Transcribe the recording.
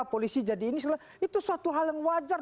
polisi jadi ini itu suatu hal yang wajar